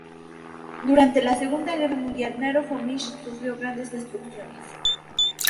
Durante la Segunda Guerra Mundial, Naro-Fominsk sufrió grandes destrucciones.